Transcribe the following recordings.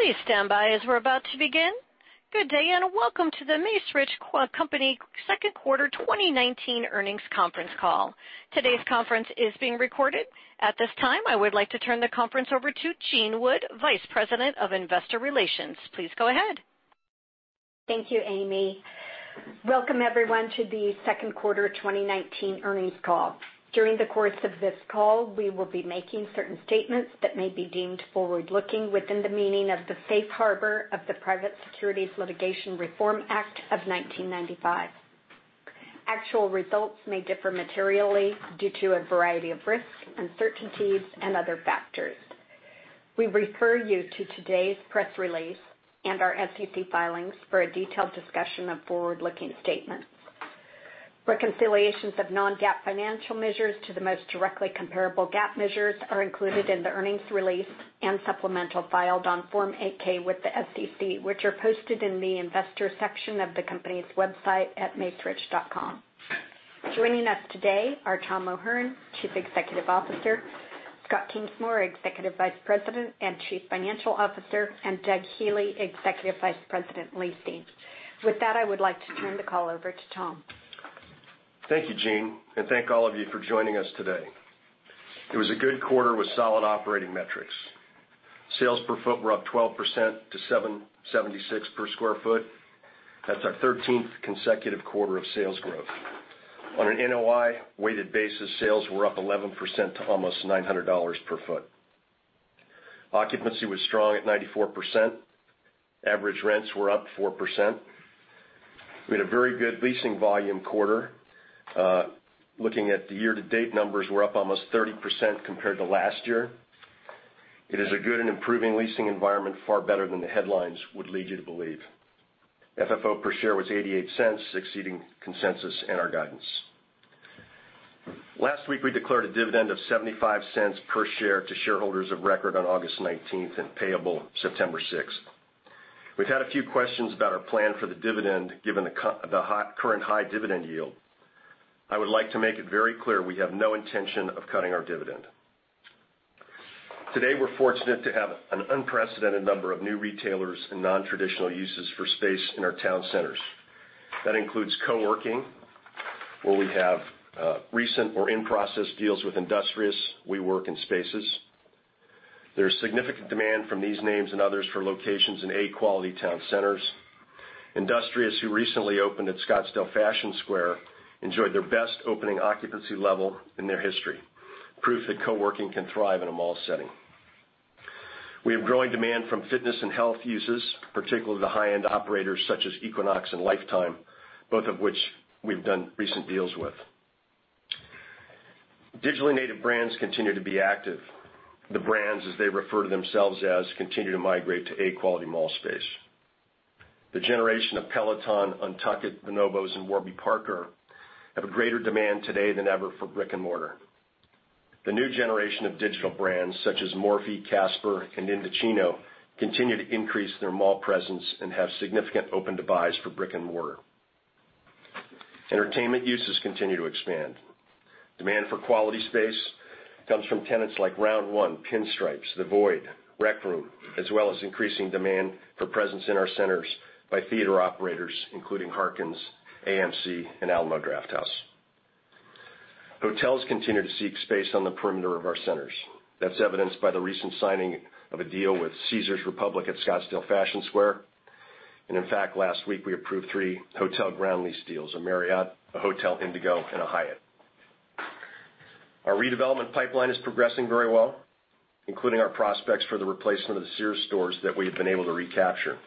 Please stand by as we're about to begin. Good day, and welcome to The Macerich Company Second Quarter 2019 Earnings Conference Call. Today's conference is being recorded. At this time, I would like to turn the conference over to Jean Wood, Vice President of Investor Relations. Please go ahead. Thank you, Amy. Welcome everyone to the second quarter 2019 earnings call. During the course of this call, we will be making certain statements that may be deemed forward-looking within the meaning of the Safe Harbor of the Private Securities Litigation Reform Act of 1995. Actual results may differ materially due to a variety of risks, uncertainties, and other factors. We refer you to today's press release and our SEC filings for a detailed discussion of forward-looking statements. Reconciliations of non-GAAP financial measures to the most directly comparable GAAP measures are included in the earnings release and supplemental filed on Form 8-K with the SEC, which are posted in the investor section of the company's website at macerich.com. Joining us today are Tom O'Hern, Chief Executive Officer, Scott Kingsmore, Executive Vice President and Chief Financial Officer, and Doug Healey, Executive Vice President, Leasing. With that, I would like to turn the call over to Tom. Thank you, Jean, and thank all of you for joining us today. It was a good quarter with solid operating metrics. Sales per foot were up 12% to $7.76 per square foot. That's our 13th consecutive quarter of sales growth. On an NOI-weighted basis, sales were up 11% to almost $900 per foot. Occupancy was strong at 94%. Average rents were up 4%. We had a very good leasing volume quarter. Looking at the year-to-date numbers, we're up almost 30% compared to last year. It is a good and improving leasing environment, far better than the headlines would lead you to believe. FFO per share was $0.88, exceeding consensus and our guidance. Last week, we declared a dividend of $0.75 per share to shareholders of record on August 19th, and payable September 6th. We've had a few questions about our plan for the dividend, given the current high dividend yield. I would like to make it very clear we have no intention of cutting our dividend. Today, we're fortunate to have an unprecedented number of new retailers and non-traditional uses for space in our town centers. That includes co-working, where we have recent or in-process deals with Industrious, WeWork, and Spaces. There's significant demand from these names and others for locations in A quality town centers. Industrious, who recently opened at Scottsdale Fashion Square, enjoyed their best opening occupancy level in their history, proof that co-working can thrive in a mall setting. We have growing demand from fitness and health uses, particularly the high-end operators such as Equinox and Life Time, both of which we've done recent deals with. Digitally native brands continue to be active. The brands, as they refer to themselves as, continue to migrate to A quality mall space. The generation of Peloton, UNTUCKit, Bonobos, and Warby Parker have a greater demand today than ever for brick and mortar. The new generation of digital brands such as Morphe, Casper, and Indochino continue to increase their mall presence and have significant open-to-buys for brick and mortar. Entertainment uses continue to expand. Demand for quality space comes from tenants like Round1, Pinstripes, The Void, Rec Room, as well as increasing demand for presence in our centers by theater operators including Harkins, AMC, and Alamo Drafthouse. Hotels continue to seek space on the perimeter of our centers. That's evidenced by the recent signing of a deal with Caesars Republic at Scottsdale Fashion Square. In fact, last week we approved three hotel ground lease deals, a Marriott, a Hotel Indigo, and Hyatt. Our redevelopment pipeline is progressing very well, including our prospects for the replacement of the Sears stores that we have been able to recapture.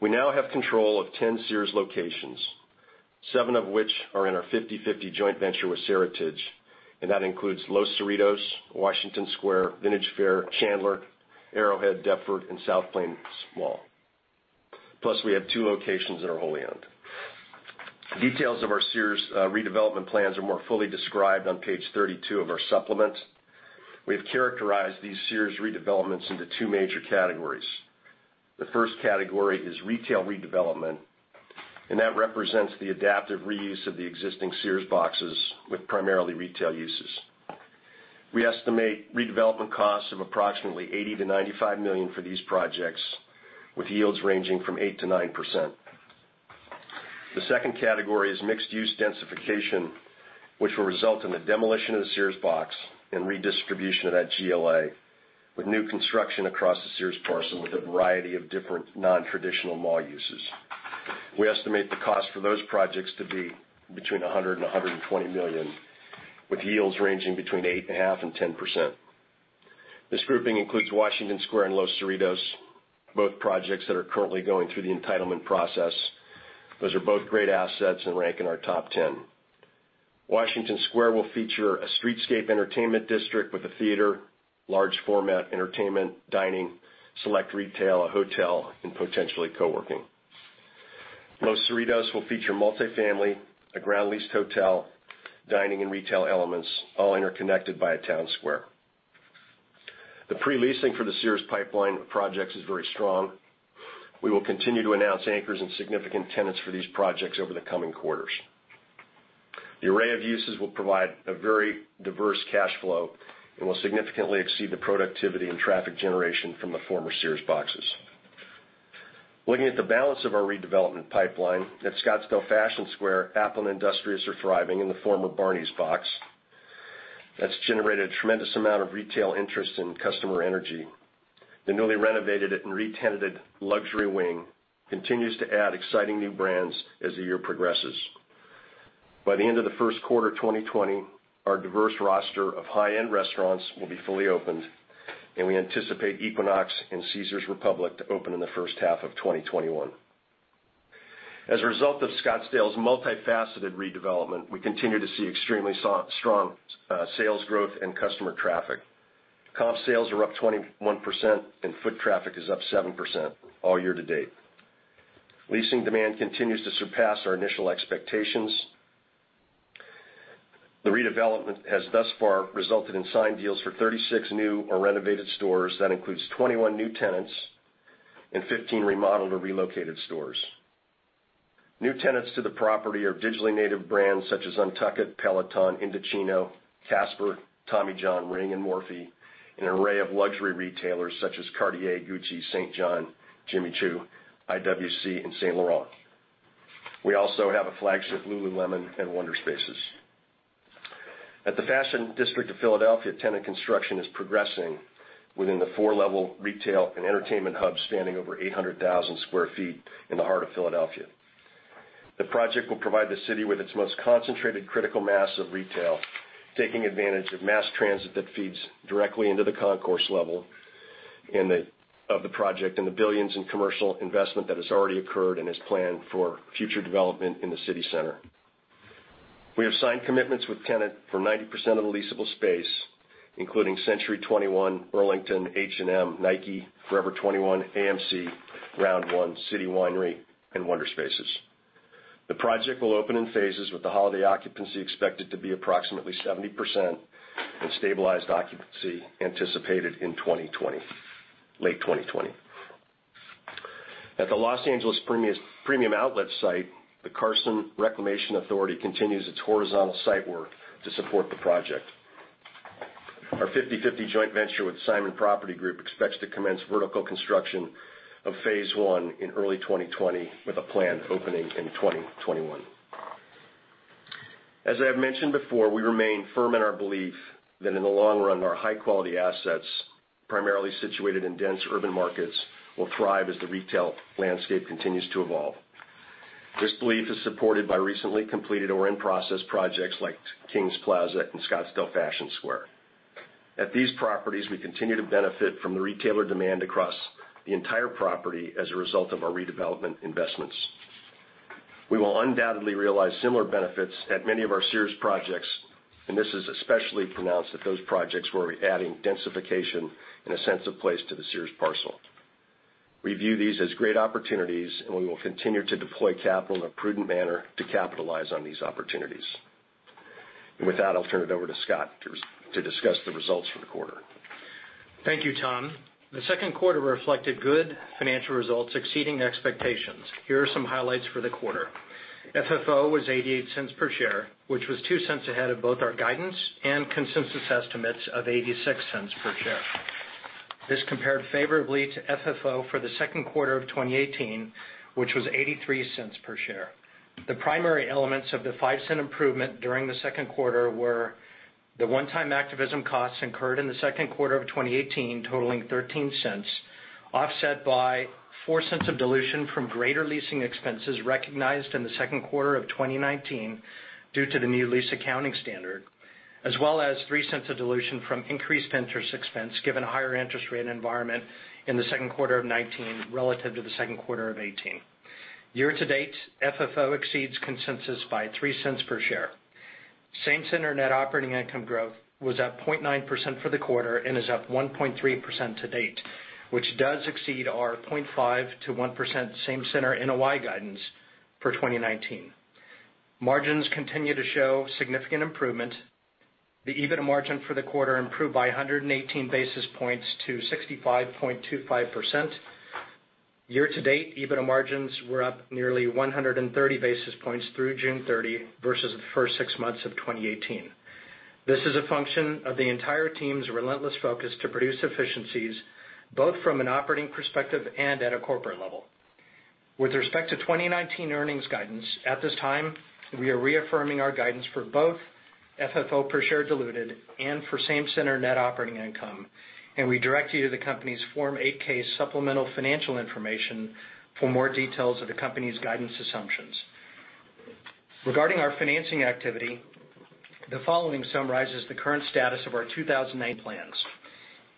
We now have control of 10 Sears locations, seven of which are in our 50/50 joint venture with Seritage, and that includes Los Cerritos, Washington Square, Vintage Faire, Chandler, Arrowhead, Deptford, and South Plains Mall. Plus, we have two locations in our wholly owned. Details of our Sears redevelopment plans are more fully described on page 32 of our supplement. We have characterized these Sears redevelopments into two major categories. The first category is retail redevelopment, and that represents the adaptive reuse of the existing Sears boxes with primarily retail uses. We estimate redevelopment costs of approximately $80 million-$95 million for these projects, with yields ranging from 8%-9%. The second category is mixed-use densification, which will result in the demolition of the Sears box and redistribution of that GLA with new construction across the Sears parcel with a variety of different non-traditional mall uses. We estimate the cost for those projects to be between $100 million and $120 million, with yields ranging between 8.5% and 10%. This grouping includes Washington Square and Los Cerritos, both projects that are currently going through the entitlement process. Those are both great assets and rank in our top 10. Washington Square will feature a streetscape entertainment district with a theater, large format entertainment, dining, select retail, a hotel, and potentially co-working. Los Cerritos will feature multi-family, a ground leased hotel, dining, and retail elements, all interconnected by a town square. The pre-leasing for the Sears pipeline projects is very strong. We will continue to announce anchors and significant tenants for these projects over the coming quarters. The array of uses will provide a very diverse cash flow and will significantly exceed the productivity and traffic generation from the former Sears boxes. Looking at the balance of our redevelopment pipeline, at Scottsdale Fashion Square, Apple and Industrious are thriving in the former Barneys box. That's generated a tremendous amount of retail interest and customer energy. The newly renovated and re-tenanted luxury wing continues to add exciting new brands as the year progresses. By the end of the first quarter 2020, our diverse roster of high-end restaurants will be fully opened, and we anticipate Equinox and Caesars Republic to open in the first half of 2021. As a result of Scottsdale's multifaceted redevelopment, we continue to see extremely strong sales growth and customer traffic. Comp sales are up 21% and foot traffic is up 7%, all year-to-date. Leasing demand continues to surpass our initial expectations. The redevelopment has thus far resulted in signed deals for 36 new or renovated stores. That includes 21 new tenants and 15 remodeled or relocated stores. New tenants to the property are digitally native brands such as UNTUCKit, Peloton, Indochino, Casper, Tommy John, Ring, and Morphe, an array of luxury retailers such as Cartier, Gucci, St. John, Jimmy Choo, IWC, and Saint Laurent. We also have a flagship lululemon and Wonderspaces. At the Fashion District of Philadelphia, tenant construction is progressing within the four-level retail and entertainment hub spanning over 800,000 sq ft in the heart of Philadelphia. The project will provide the city with its most concentrated critical mass of retail, taking advantage of mass transit that feeds directly into the concourse level of the project and the billions in commercial investment that has already occurred and is planned for future development in the city center. We have signed commitments with tenant for 90% of the leasable space, including Century 21, Burlington, H&M, Nike, Forever 21, AMC, Round One, City Winery, and Wonderspaces. The project will open in phases with the holiday occupancy expected to be approximately 70% and stabilized occupancy anticipated in late 2020. At the Los Angeles Premium Outlets site, the Carson Reclamation Authority continues its horizontal site work to support the project. Our 50/50 joint venture with Simon Property Group expects to commence vertical construction of Phase 1 in early 2020 with a planned opening in 2021. As I have mentioned before, we remain firm in our belief that in the long run, our high-quality assets, primarily situated in dense urban markets, will thrive as the retail landscape continues to evolve. This belief is supported by recently completed or in-process projects like Kings Plaza and Scottsdale Fashion Square. At these properties, we continue to benefit from the retailer demand across the entire property as a result of our redevelopment investments. We will undoubtedly realize similar benefits at many of our Sears projects, and this is especially pronounced at those projects where we're adding densification and a sense of place to the Sears parcel. We view these as great opportunities, and we will continue to deploy capital in a prudent manner to capitalize on these opportunities. With that, I'll turn it over to Scott to discuss the results for the quarter. Thank you, Tom. The second quarter reflected good financial results exceeding expectations. Here are some highlights for the quarter. FFO was $0.88 per share, which was $0.02 ahead of both our guidance and consensus estimates of $0.86 per share. This compared favorably to FFO for the second quarter of 2018, which was $0.83 per share. The primary elements of the $0.05 improvement during the second quarter were the one-time activism costs incurred in the second quarter of 2018, totaling $0.13, offset by $0.04 of dilution from greater leasing expenses recognized in the second quarter of 2019 due to the new lease accounting standard, as well as $0.03 of dilution from increased interest expense, given a higher interest rate environment in the second quarter of 2019 relative to the second quarter of 2018. Year-to-date, FFO exceeds consensus by $0.03 per share. Same-center net operating income growth was up 0.9% for the quarter and is up 1.3% to date, which does exceed our 0.5%-1% same-center NOI guidance for 2019. Margins continue to show significant improvement. The EBITDA margin for the quarter improved by 118 basis points to 65.25%. Year-to-date, EBITDA margins were up nearly 130 basis points through June 30 versus the first six months of 2018. This is a function of the entire team's relentless focus to produce efficiencies, both from an operating perspective and at a corporate level. With respect to 2019 earnings guidance, at this time, we are reaffirming our guidance for both FFO per share diluted and for same-center net operating income, and we direct you to the company's Form 8-K supplemental financial information for more details of the company's guidance assumptions. Regarding our financing activity, the following summarizes the current status of our 2009 plans.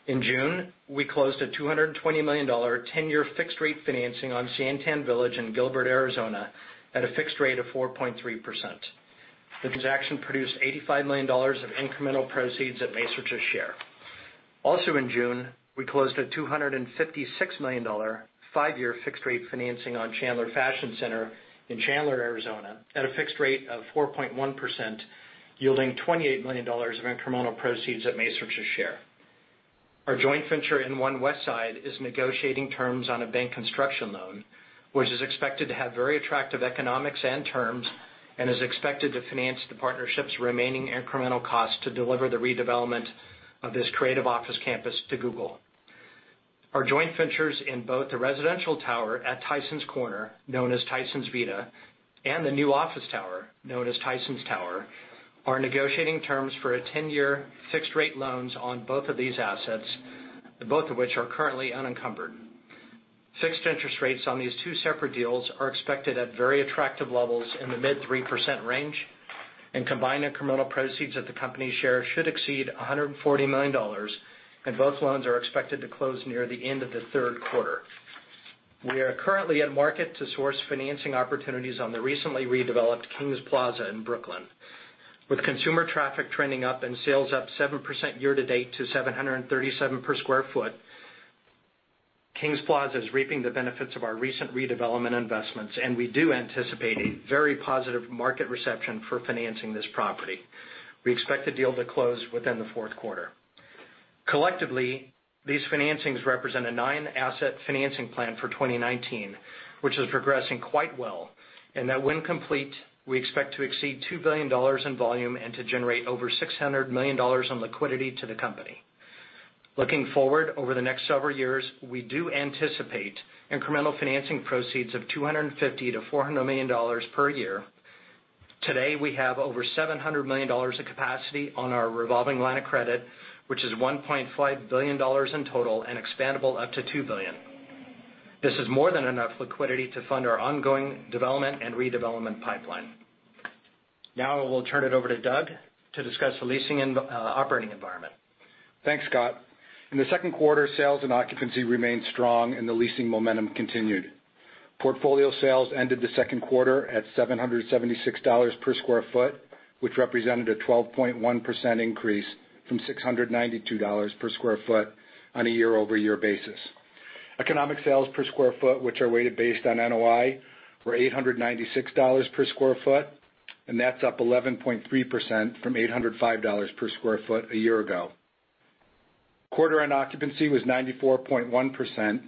In June, we closed a $220 million 10-year fixed rate financing on SanTan Village in Gilbert, Arizona at a fixed rate of 4.3%. The transaction produced $85 million of incremental proceeds at Macerich's share. Also in June, we closed a $256 million five-year fixed rate financing on Chandler Fashion Center in Chandler, Arizona at a fixed rate of 4.1%, yielding $28 million of incremental proceeds at Macerich's share. Our joint venture in One Westside is negotiating terms on a bank construction loan, which is expected to have very attractive economics and terms, and is expected to finance the partnership's remaining incremental cost to deliver the redevelopment of this creative office campus to Google. Our joint ventures in both the residential tower at Tysons Corner, known as Tysons Vita, and the new office tower, known as Tysons Tower, are negotiating terms for a 10-year fixed-rate loans on both of these assets, both of which are currently unencumbered. Fixed interest rates on these two separate deals are expected at very attractive levels in the mid 3% range. Combined incremental proceeds that the company shares should exceed $140 million. Both loans are expected to close near the end of the third quarter. We are currently at market to source financing opportunities on the recently redeveloped Kings Plaza in Brooklyn. With consumer traffic trending up and sales up 7% year-to-date to 737 per square foot, Kings Plaza is reaping the benefits of our recent redevelopment investments. We do anticipate a very positive market reception for financing this property. We expect the deal to close within the fourth quarter. Collectively, these financings represent a nine-asset financing plan for 2019, which is progressing quite well, and that when complete, we expect to exceed $2 billion in volume and to generate over $600 million in liquidity to the company. Looking forward over the next several years, we do anticipate incremental financing proceeds of $250 million-$400 million per year. Today, we have over $700 million in capacity on our revolving line of credit, which is $1.5 billion in total and expandable up to $2 billion. This is more than enough liquidity to fund our ongoing development and redevelopment pipeline. Now I will turn it over to Doug to discuss the leasing and operating environment. Thanks, Scott. In the second quarter, sales and occupancy remained strong and the leasing momentum continued. Portfolio sales ended the second quarter at $776 per square foot, which represented a 12.1% increase from $692 per square foot on a year-over-year basis. Economic sales per square foot, which are weighted based on NOI, were $896 per square foot, and that's up 11.3% from $805 per square foot a year ago. Quarter-end occupancy was 94.1%.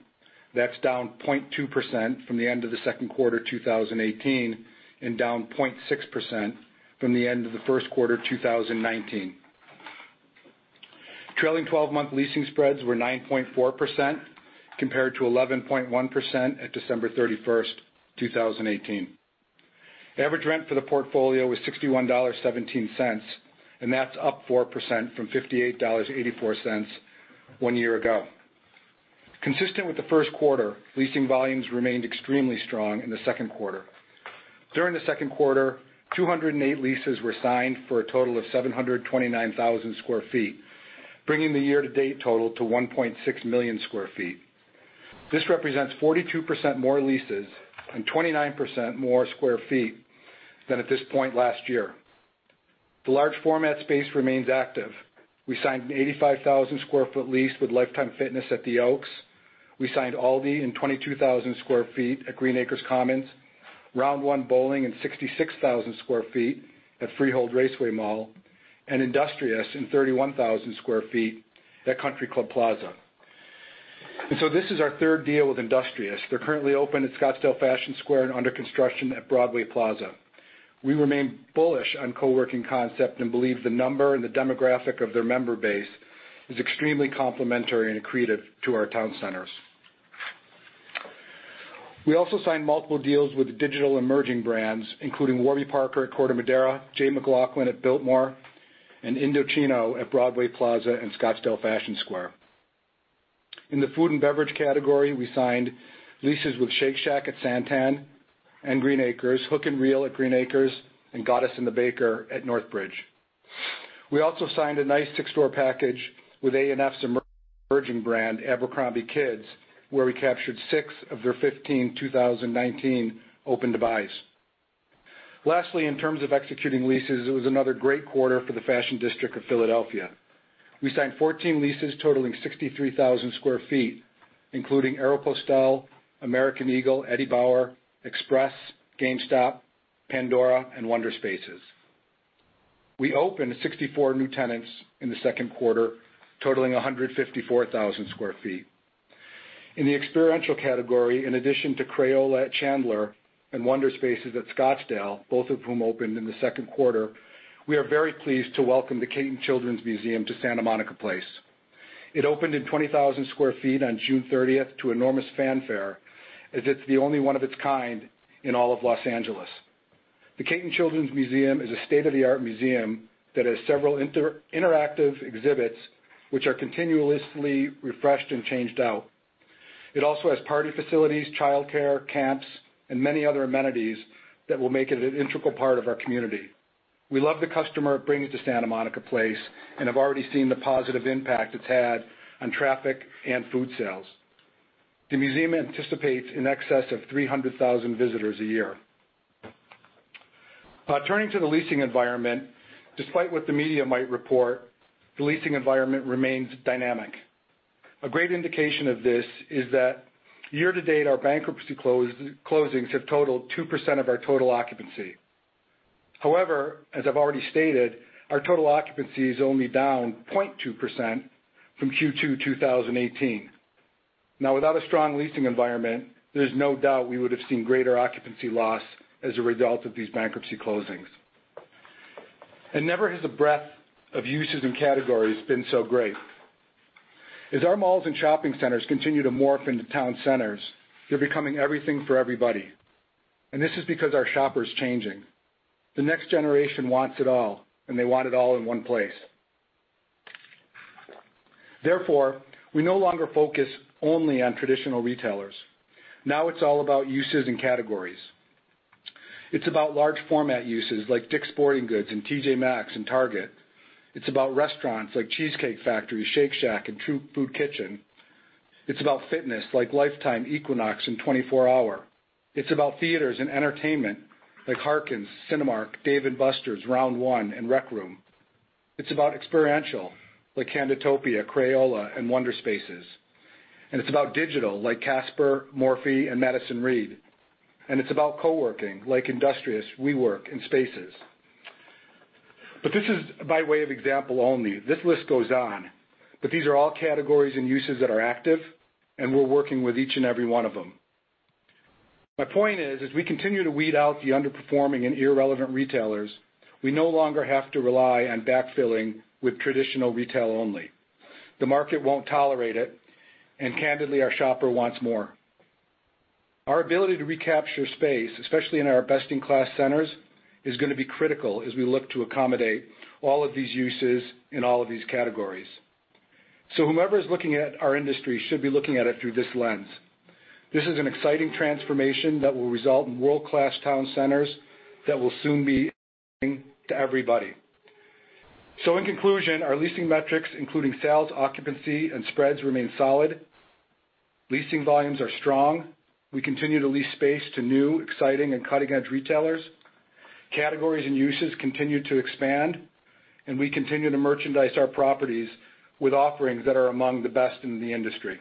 That's down 0.2% from the end of the second quarter 2018, and down 0.6% from the end of the first quarter 2019. Trailing 12-month leasing spreads were 9.4%, compared to 11.1% at December 31st, 2018. Average rent for the portfolio was $61.17, and that's up 4% from $58.84 one year ago. Consistent with the first quarter, leasing volumes remained extremely strong in the second quarter. During the second quarter, 208 leases were signed for a total of 729,000 sq ft, bringing the year-to-date total to 1.6 million square feet. This represents 42% more leases and 29% more square feet than at this point last year. The large format space remains active. We signed an 85,000 sq ft lease with Life Time Fitness at The Oaks. We signed Aldi in 22,000 sq ft at Green Acres Commons, Round1 Bowling in 66,000 sq ft at Freehold Raceway Mall, and Industrious in 31,000 sq ft at Country Club Plaza. This is our third deal with Industrious. They're currently open at Scottsdale Fashion Square and under construction at Broadway Plaza. We remain bullish on co-working concept and believe the number and the demographic of their member base is extremely complementary and accretive to our town centers. We also signed multiple deals with digital emerging brands, including Warby Parker at Corte Madera, J.McLaughlin at Biltmore, and Indochino at Broadway Plaza and Scottsdale Fashion Square. In the food and beverage category, we signed leases with Shake Shack at SanTan and Green Acres, Hook & Reel at Green Acres, and Goddess and the Baker at Northbridge. We also signed a nice six-store package with A&F's emerging brand, Abercrombie Kids, where we captured six of their 15 2019 open-to-buys. Lastly, in terms of executing leases, it was another great quarter for the Fashion District of Philadelphia. We signed 14 leases totaling 63,000 sq ft, including Aéropostale, American Eagle, Eddie Bauer, Express, GameStop, Pandora, and Wonderspaces. We opened 64 new tenants in the second quarter, totaling 154,000 sq ft. In the experiential category, in addition to Crayola at Chandler and Wonderspaces at Scottsdale, both of whom opened in the second quarter, we are very pleased to welcome the Cayton Children's Museum to Santa Monica Place. It opened in 20,000 sq ft on June 30th to enormous fanfare, as it's the only one of its kind in all of Los Angeles. The Cayton Children's Museum is a state-of-the-art museum that has several interactive exhibits which are continuously refreshed and changed out. It also has party facilities, childcare, camps, and many other amenities that will make it an integral part of our community. We love the customer it brings to Santa Monica Place and have already seen the positive impact it's had on traffic and food sales. The museum anticipates in excess of 300,000 visitors a year. Turning to the leasing environment. Despite what the media might report, the leasing environment remains dynamic. A great indication of this is that year-to-date, our bankruptcy closings have totaled 2% of our total occupancy. However, as I've already stated, our total occupancy is only down 0.2% from Q2 2018. Without a strong leasing environment, there's no doubt we would have seen greater occupancy loss as a result of these bankruptcy closings. Never has a breadth of uses and categories been so great. As our malls and shopping centers continue to morph into town centers, they're becoming everything for everybody. This is because our shopper is changing. The next generation wants it all, and they want it all in one place. Therefore, we no longer focus only on traditional retailers. It's all about uses and categories. It's about large format uses like Dick's Sporting Goods and TJ Maxx and Target. It's about restaurants like Cheesecake Factory, Shake Shack, and True Food Kitchen. It's about fitness like Life Time, Equinox, and 24 Hour. It's about theaters and entertainment like Harkins, Cinemark, Dave & Buster's, Round1, and Rec Room. It's about experiential, like Candytopia, Crayola, and Wonderspaces. It's about digital, like Casper, Morphe, and Madison Reed. It's about co-working like Industrious, WeWork, and Spaces. This is by way of example only. This list goes on, but these are all categories and uses that are active, and we're working with each and every one of them. My point is, as we continue to weed out the underperforming and irrelevant retailers, we no longer have to rely on backfilling with traditional retail only. The market won't tolerate it, and candidly, our shopper wants more. Our ability to recapture space, especially in our best-in-class centers, is going to be critical as we look to accommodate all of these uses in all of these categories. Whomever is looking at our industry should be looking at it through this lens. This is an exciting transformation that will result in world-class town centers that will soon be to everybody. In conclusion, our leasing metrics, including sales, occupancy, and spreads, remain solid. Leasing volumes are strong. We continue to lease space to new, exciting, and cutting-edge retailers. Categories and uses continue to expand, we continue to merchandise our properties with offerings that are among the best in the industry.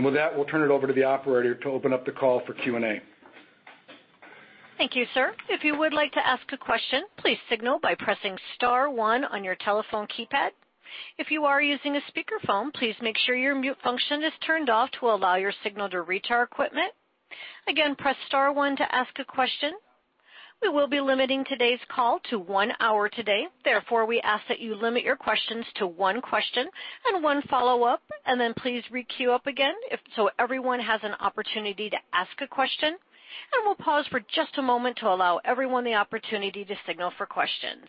With that, we'll turn it over to the operator to open up the call for Q&A. Thank you, sir. If you would like to ask a question, please signal by pressing star one on your telephone keypad. If you are using a speakerphone, please make sure your mute function is turned off to allow your signal to reach our equipment. Again, press star one to ask a question. We will be limiting today's call to one hour today. Therefore, we ask that you limit your questions to one question and one follow-up, and then please re-queue up again so everyone has an opportunity to ask a question. We'll pause for just a moment to allow everyone the opportunity to signal for questions.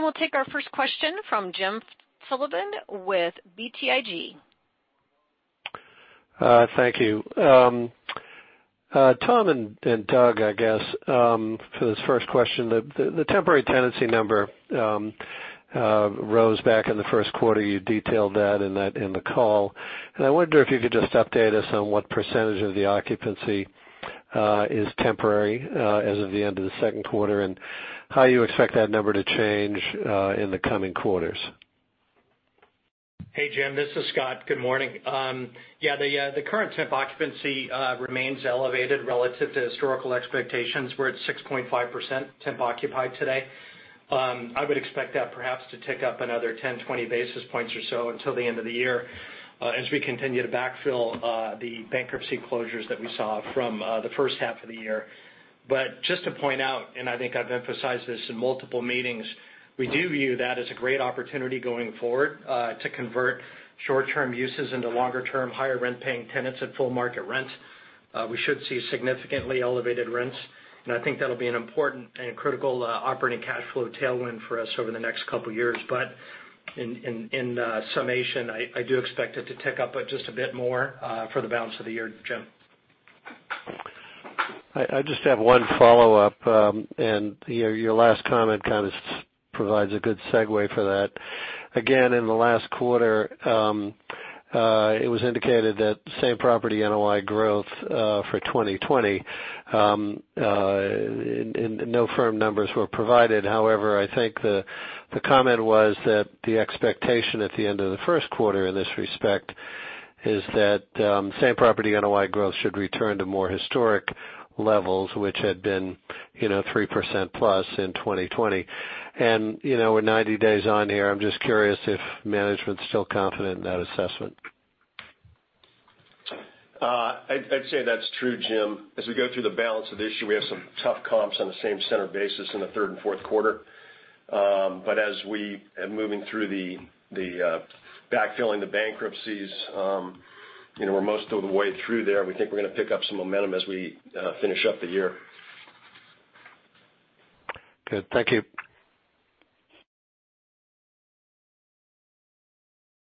We'll take our first question from James Sullivan with BTIG. Thank you. Tom and Doug, I guess, for this first question, the temporary tenancy number rose back in the first quarter. You detailed that in the call. I wonder if you could just update us on what percentage of the occupancy is temporary as of the end of the second quarter, and how you expect that number to change in the coming quarters. Hey, Jim. This is Scott. Good morning. The current temp occupancy remains elevated relative to historical expectations. We're at 6.5% temp occupied today. I would expect that perhaps to tick up another 10, 20 basis points or so until the end of the year as we continue to backfill the bankruptcy closures that we saw from the first half of the year. Just to point out, and I think I've emphasized this in multiple meetings, we do view that as a great opportunity going forward to convert short-term uses into longer-term, higher rent-paying tenants at full market rent. We should see significantly elevated rents, and I think that'll be an important and critical operating cash flow tailwind for us over the next couple of years. In summation, I do expect it to tick up just a bit more for the balance of the year, Jim. I just have one follow-up, and your last comment kind of provides a good segue for that. Again, in the last quarter, it was indicated that same property NOI growth for 2020, no firm numbers were provided. However, I think the comment was that the expectation at the end of the first quarter in this respect is that same property NOI growth should return to more historic levels, which had been 3%+ in 2020. We're 90 days on here. I'm just curious if management's still confident in that assessment. I'd say that's true, Jim. As we go through the balance of the issue, we have some tough comps on the same center basis in the third and fourth quarter. As we are moving through the backfilling the bankruptcies, we're most of the way through there. We think we're going to pick up some momentum as we finish up the year. Good. Thank you.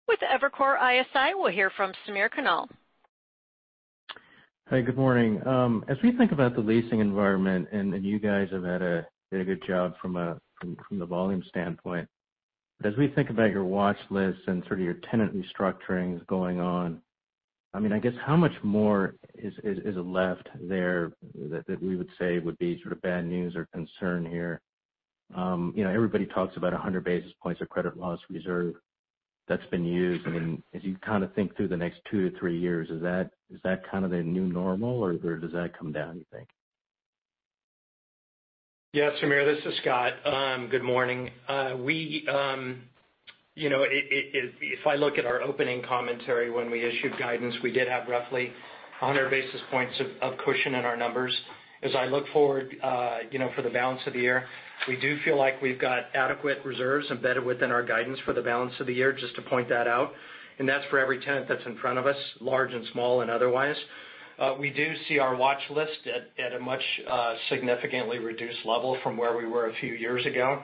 With Evercore ISI, we'll hear from Samir Khanal. Hi, good morning. As we think about the leasing environment, you guys have done a good job from the volume standpoint. As we think about your watch list and sort of your tenant restructurings going on, I guess, how much more is left there that we would say would be sort of bad news or concern here? Everybody talks about 100 basis points of credit loss reserve that's been used. As you think through the next two to three years, is that kind of the new normal, or does that come down, you think? Yes, Samir, this is Scott. Good morning. If I look at our opening commentary when we issued guidance, we did have roughly 100 basis points of cushion in our numbers. As I look forward for the balance of the year, we do feel like we've got adequate reserves embedded within our guidance for the balance of the year, just to point that out, and that's for every tenant that's in front of us, large and small and otherwise. We do see our watch list at a much significantly reduced level from where we were a few years ago.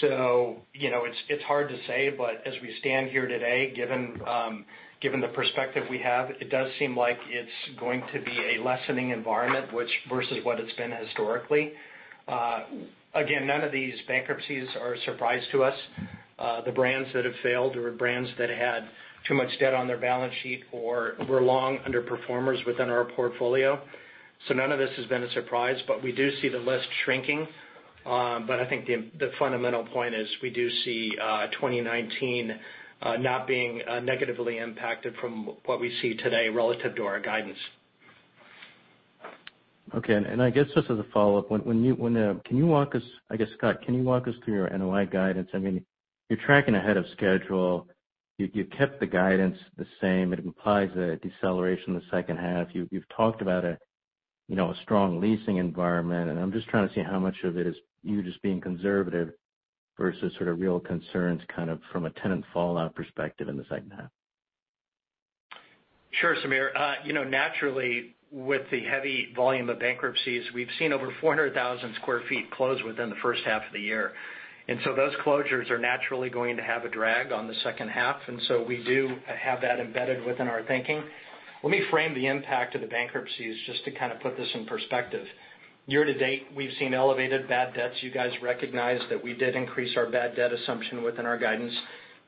It's hard to say, but as we stand here today, given the perspective we have, it does seem like it's going to be a lessening environment versus what it's been historically. Again, none of these bankruptcies are a surprise to us. The brands that have failed were brands that had too much debt on their balance sheet or were long underperformers within our portfolio. None of this has been a surprise. We do see the list shrinking. I think the fundamental point is we do see 2019 not being negatively impacted from what we see today relative to our guidance. Okay. I guess, just as a follow-up, Scott, can you walk us through your NOI guidance? You're tracking ahead of schedule. You've kept the guidance the same. It implies a deceleration in the second half. You've talked about a strong leasing environment, and I'm just trying to see how much of it is you just being conservative versus sort of real concerns kind of from a tenant fallout perspective in the second half. Sure, Samir. Naturally, with the heavy volume of bankruptcies, we've seen over 400,000 sq ft close within the first half of the year. Those closures are naturally going to have a drag on the second half. We do have that embedded within our thinking. Let me frame the impact of the bankruptcies just to kind of put this in perspective. Year-to-date, we've seen elevated bad debts. You guys recognize that we did increase our bad debt assumption within our guidance.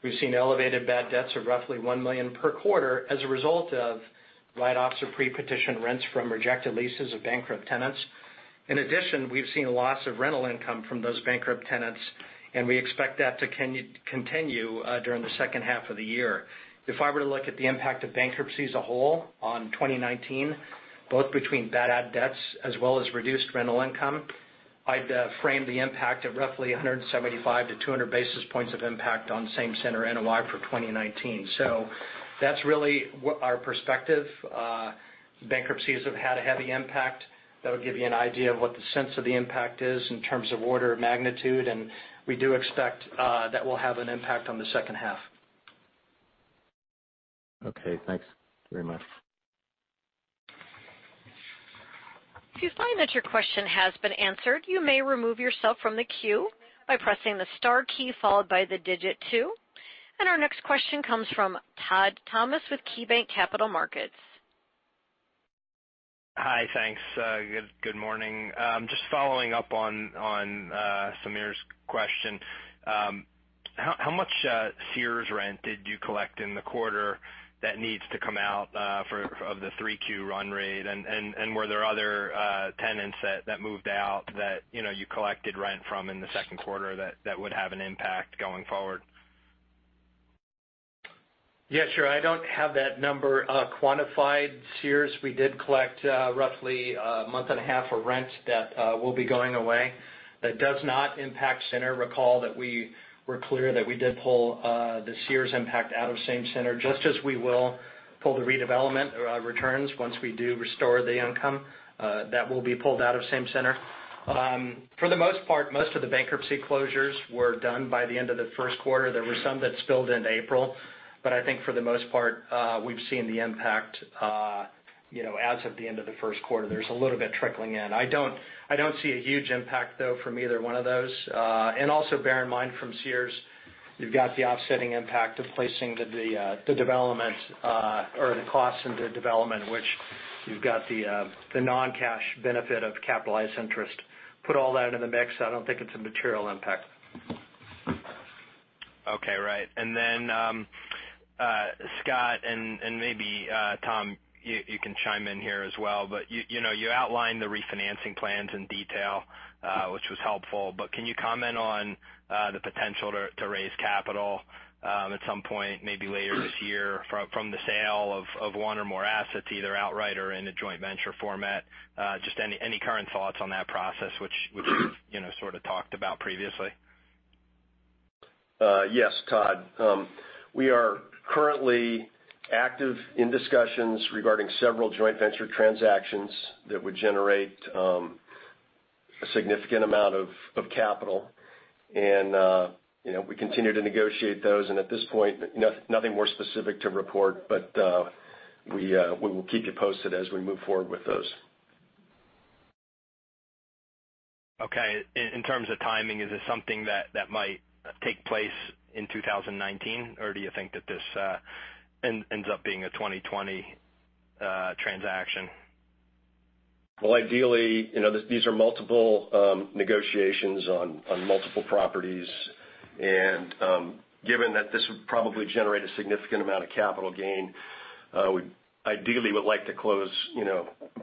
We've seen elevated bad debts of roughly $1 million per quarter as a result of write-offs of pre-petition rents from rejected leases of bankrupt tenants. In addition, we've seen a loss of rental income from those bankrupt tenants. We expect that to continue during the second half of the year. If I were to look at the impact of bankruptcies as a whole on 2019, both between bad debts as well as reduced rental income, I'd frame the impact at roughly 175-200 basis points of impact on same center NOI for 2019. That's really our perspective. Bankruptcies have had a heavy impact. That'll give you an idea of what the sense of the impact is in terms of order of magnitude, and we do expect that will have an impact on the second half. Okay, thanks very much. If you find that your question has been answered, you may remove yourself from the queue by pressing the star key followed by the digit two. Our next question comes from Todd Thomas with KeyBanc Capital Markets. Hi, thanks. Good morning. Just following up on Samir's question, how much Sears rent did you collect in the quarter that needs to come out of the 3Q run rate, and were there other tenants that moved out that you collected rent from in the second quarter that would have an impact going forward? Yeah, sure. I don't have that number quantified. Sears, we did collect roughly a month and a half of rent that will be going away. That does not impact center. Recall that we were clear that we did pull the Sears impact out of same center, just as we will pull the redevelopment returns once we do restore the income. That will be pulled out of same center. For the most part, most of the bankruptcy closures were done by the end of the first quarter. There were some that spilled into April. I think for the most part, we've seen the impact as of the end of the first quarter. There's a little bit trickling in. I don't see a huge impact, though, from either one of those. Also bear in mind from Sears, you've got the offsetting impact of placing the development or the cost into development, which you've got the non-cash benefit of capitalized interest. Put all that into the mix, I don't think it's a material impact. Okay, right. Then, Scott, and maybe Tom, you can chime in here as well, but you outlined the refinancing plans in detail, which was helpful, but can you comment on the potential to raise capital at some point, maybe later this year, from the sale of one or more assets, either outright or in a joint venture format? Just any current thoughts on that process, which you've sort of talked about previously. Yes, Todd. We are currently active in discussions regarding several joint venture transactions that would generate a significant amount of capital, and we continue to negotiate those. At this point, nothing more specific to report, but we will keep you posted as we move forward with those. Okay. In terms of timing, is this something that might take place in 2019, or do you think that this ends up being a 2020 transaction? Well, ideally, these are multiple negotiations on multiple properties. Given that this would probably generate a significant amount of capital gain, we ideally would like to close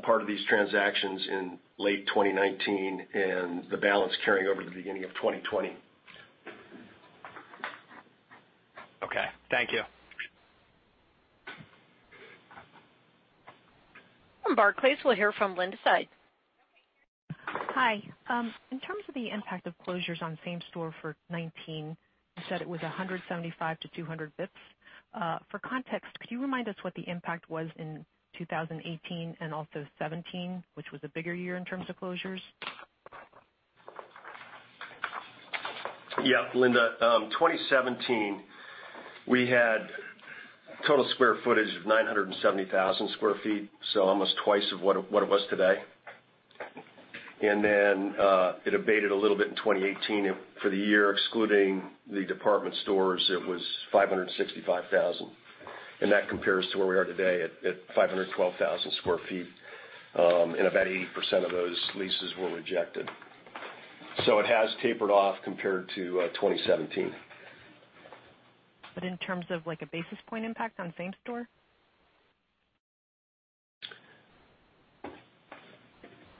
part of these transactions in late 2019, and the balance carrying over to the beginning of 2020. Okay. Thank you. From Barclays, we'll hear from Linda Tsai. Hi. In terms of the impact of closures on same store for 2019, you said it was 175-200 basis points. For context, could you remind us what the impact was in 2018 and also 2017, which was a bigger year in terms of closures? Yeah, Linda. 2017, we had total square footage of 970,000 sq ft, so almost twice of what it was today. It abated a little bit in 2018 for the year, excluding the department stores, it was 565,000. That compares to where we are today at 512,000 sq ft. About 80% of those leases were rejected. It has tapered off compared to 2017. In terms of like a basis point impact on same store?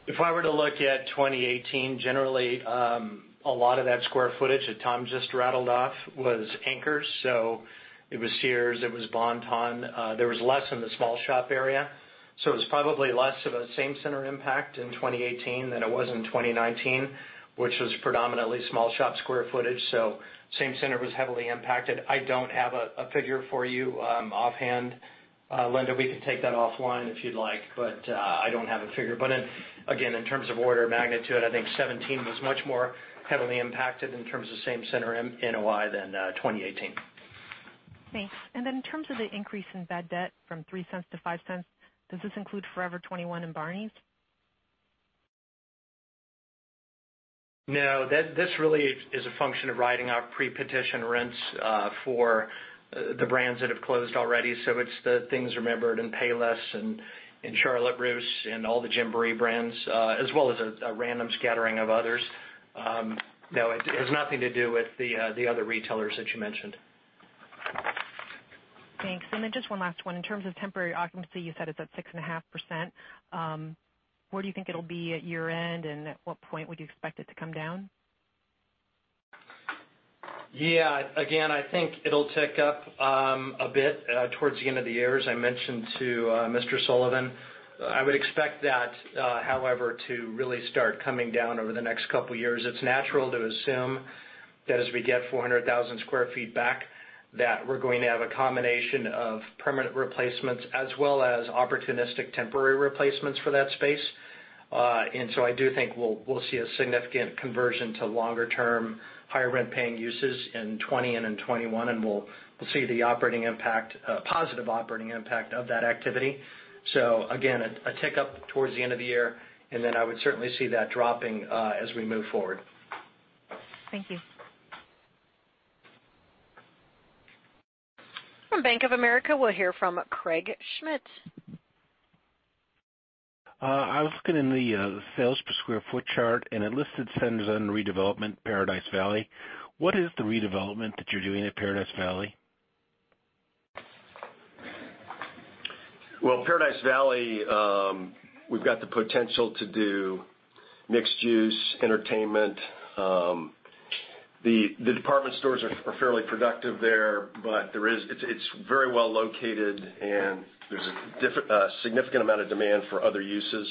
If I were to look at 2018, generally, a lot of that square footage that Tom just rattled off was anchors. It was Sears, it was Bon-Ton. There was less in the small shop area, it was probably less of a same center impact in 2018 than it was in 2019, which was predominantly small shop square footage. Same center was heavily impacted. I don't have a figure for you offhand, Linda. We can take that offline if you'd like, I don't have a figure. In, again, in terms of order of magnitude, I think 2017 was much more heavily impacted in terms of same center NOI than 2018. Thanks. Then in terms of the increase in bad debt from $0.03 to $0.05, does this include Forever 21 and Barneys? No. This really is a function of riding out pre-petition rents for the brands that have closed already. It's the Things Remembered and Payless and Charlotte Russe and all the Gymboree brands, as well as a random scattering of others. No, it has nothing to do with the other retailers that you mentioned. Thanks. Just one last one. In terms of temporary occupancy, you said it's at 6.5%. Where do you think it'll be at year-end, and at what point would you expect it to come down? Yeah, again, I think it'll tick up a bit towards the end of the year, as I mentioned to Mr. Sullivan. I would expect that, however, to really start coming down over the next couple years. It's natural to assume that as we get 400,000 sq ft back, that we're going to have a combination of permanent replacements as well as opportunistic temporary replacements for that space. I do think we'll see a significant conversion to longer-term, higher rent-paying uses in 2020 and in 2021, and we'll see the positive operating impact of that activity. Again, a tick up towards the end of the year, and then I would certainly see that dropping as we move forward. Thank you. From Bank of America, we'll hear from Craig Schmidt. I was looking in the sales per square foot chart, and it listed centers on redevelopment, Paradise Valley. What is the redevelopment that you're doing at Paradise Valley? Well, Paradise Valley, we've got the potential to do mixed use, entertainment. The department stores are fairly productive there, but it's very well located, and there's a significant amount of demand for other uses.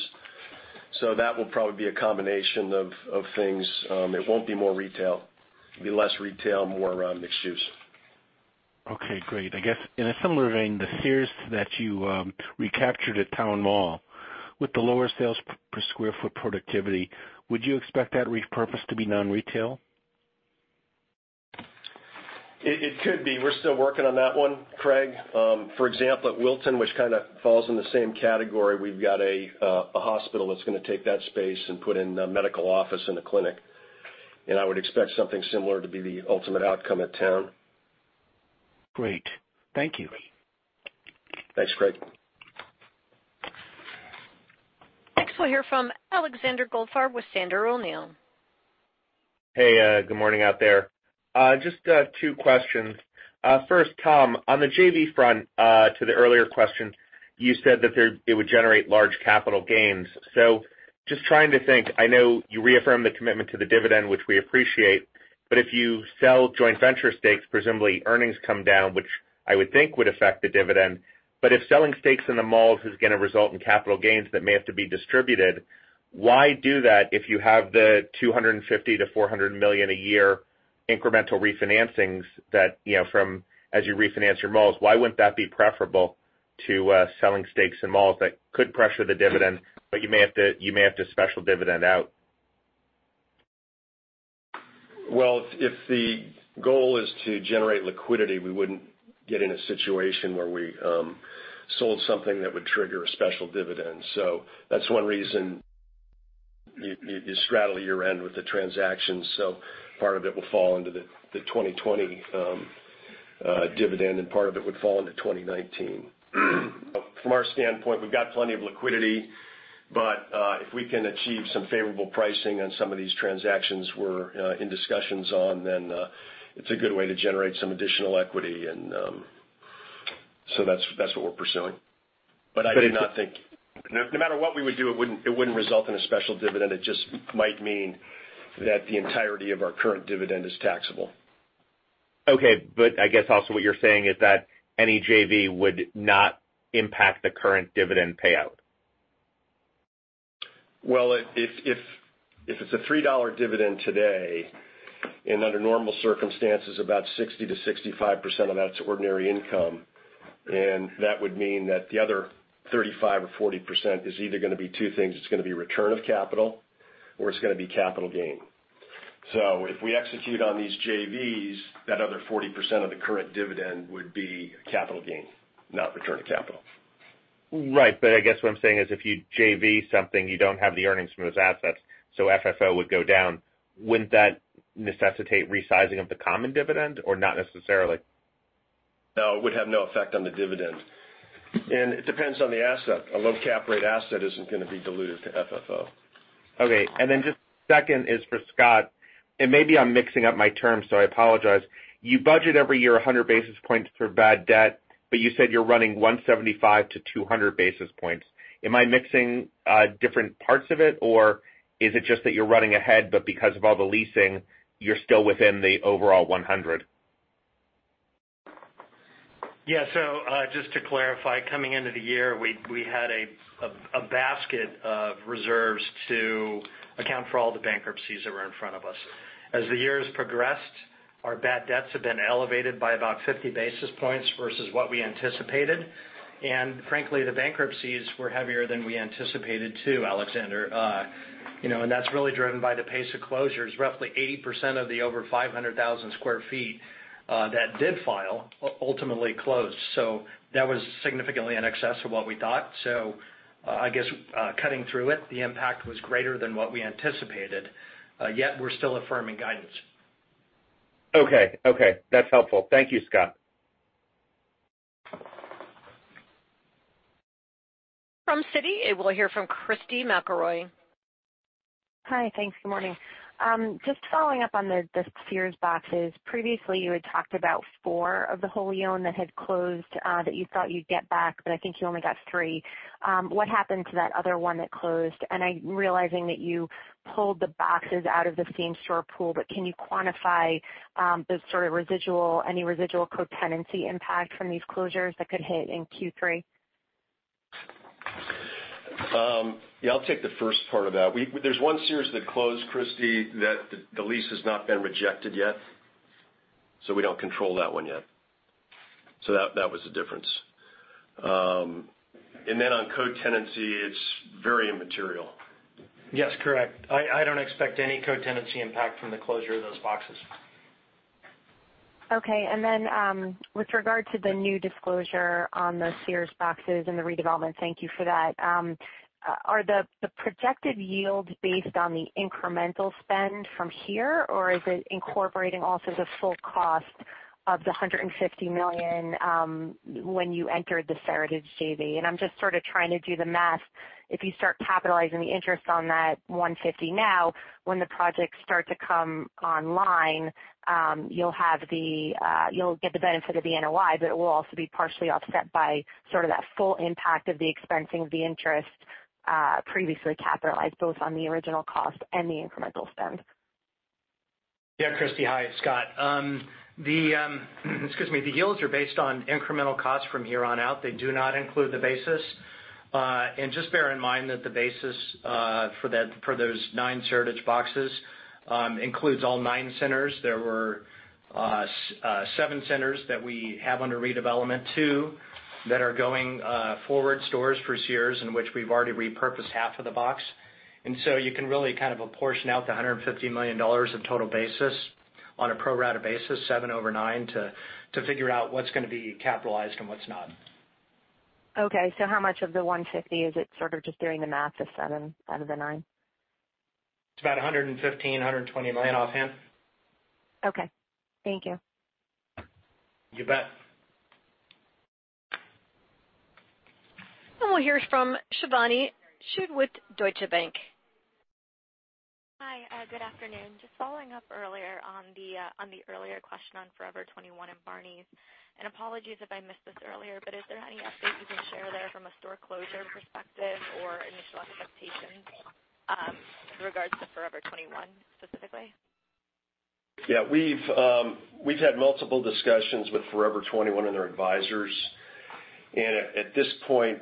That will probably be a combination of things. It won't be more retail. It'll be less retail, more around mixed use. Okay, great. I guess in a similar vein, the Sears that you recaptured at Town Mall, with the lower sales per square foot productivity, would you expect that repurpose to be non-retail? It could be. We're still working on that one, Craig. For example, Wilton, which kind of falls in the same category, we've got a hospital that's gonna take that space and put in a medical office and a clinic. I would expect something similar to be the ultimate outcome at Town. Great. Thank you. Thanks, Craig. Next, we'll hear from Alexander Goldfarb with Sandler O'Neill. Hey, good morning out there. Just two questions. First, Tom, on the JV front, to the earlier question, you said that it would generate large capital gains. Just trying to think, I know you reaffirmed the commitment to the dividend, which we appreciate, but if you sell joint venture stakes, presumably earnings come down, which I would think would affect the dividend. If selling stakes in the malls is gonna result in capital gains that may have to be distributed, why do that if you have the $250 million-$400 million a year incremental refinancings as you refinance your malls? Why wouldn't that be preferable to selling stakes in malls that could pressure the dividend, but you may have to special dividend out? If the goal is to generate liquidity, we wouldn't get in a situation where we sold something that would trigger a special dividend. That's one reason. You straddle year-end with the transactions, so part of it will fall under the 2020 dividend, and part of it would fall under 2019. From our standpoint, we've got plenty of liquidity. If we can achieve some favorable pricing on some of these transactions we're in discussions on, then it's a good way to generate some additional equity. That's what we're pursuing. I do not think no matter what we would do, it wouldn't result in a special dividend. It just might mean that the entirety of our current dividend is taxable. Okay. I guess also what you're saying is that any JV would not impact the current dividend payout. Well, if it's a $3 dividend today, under normal circumstances, about 60%-65% of that's ordinary income, that would mean that the other 35% or 40% is either gonna be two things. It's gonna be return of capital, or it's gonna be capital gain. If we execute on these JVs, that other 40% of the current dividend would be capital gain, not return of capital. Right. I guess what I'm saying is if you JV something, you don't have the earnings from those assets, so FFO would go down. Wouldn't that necessitate resizing of the common dividend, or not necessarily? No, it would have no effect on the dividend. It depends on the asset. A low cap rate asset isn't gonna be diluted to FFO. Okay. Just second is for Scott, and maybe I'm mixing up my terms, so I apologize. You budget every year 100 basis points for bad debt, but you said you're running 175-200 basis points. Am I mixing different parts of it, or is it just that you're running ahead, but because of all the leasing, you're still within the overall 100? Yeah. Just to clarify, coming into the year, we had a basket of reserves to account for all the bankruptcies that were in front of us. As the years progressed, our bad debts have been elevated by about 50 basis points versus what we anticipated. Frankly, the bankruptcies were heavier than we anticipated, too, Alexander. That's really driven by the pace of closures. Roughly 80% of the over 500,000 sq ft that did file, ultimately closed. That was significantly in excess of what we thought. I guess, cutting through it, the impact was greater than what we anticipated, yet we're still affirming guidance. Okay. That's helpful. Thank you, Scott. From Citi, we'll hear from Christy McElroy. Hi. Thanks. Good morning. Just following up on the Sears boxes. Previously, you had talked about four of the wholly owned that had closed, that you thought you'd get back, but I think you only got three. What happened to that other one that closed? I'm realizing that you pulled the boxes out of the same-store pool, but can you quantify any residual co-tenancy impact from these closures that could hit in Q3? Yeah, I'll take the first part of that. There's one Sears that closed, Christy, that the lease has not been rejected yet, so we don't control that one yet. That was the difference. On co-tenancy, it's very immaterial. Yes, correct. I don't expect any co-tenancy impact from the closure of those boxes. Okay. With regard to the new disclosure on the Sears boxes and the redevelopment, thank you for that. Are the projected yields based on the incremental spend from here, or is it incorporating also the full cost of the $150 million, when you entered the Seritage JV? I'm just sort of trying to do the math. If you start capitalizing the interest on that $150 million now, when the projects start to come online, you'll get the benefit of the NOI, it will also be partially offset by sort of that full impact of the expensing of the interest previously capitalized, both on the original cost and the incremental spend. Yeah, Christy. Hi. It's Scott. Excuse me. The yields are based on incremental costs from here on out. They do not include the basis. Just bear in mind that the basis for those nine Seritage boxes includes all nine centers. There were seven centers that we have under redevelopment, two that are going forward, stores for Sears, in which we've already repurposed half of the box. So you can really kind of apportion out the $150 million of total basis on a pro rata basis, seven over nine, to figure out what's going to be capitalized and what's not. Okay. How much of the $150 million is it, sort of just doing the math, the seven out of the nine? It's about $115 million-$120 million offhand. Okay. Thank you. You bet. We'll hear from Shivani Sood with Deutsche Bank. Hi. Good afternoon. Just following up earlier on the earlier question on Forever 21 and Barneys. Apologies if I missed this earlier, but is there any update you can share there from a store closure perspective or initial expectations, in regards to Forever 21 specifically? Yeah. We've had multiple discussions with Forever 21 and their advisors. At this point,